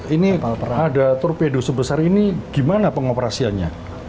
ini ada torpedo sebesar ini gimana pengoperasiannya